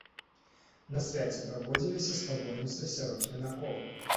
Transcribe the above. На свяце праводзіліся спаборніцтвы сярод юнакоў.